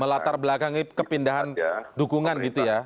melatar belakangi kepindahan dukungan gitu ya